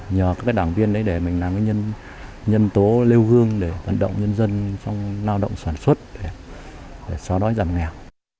nhờ các đảng viên đấy để mình làm cái nhân tố lêu gương để vận động nhân dân trong lao động sản xuất để xóa đói giảm nghèo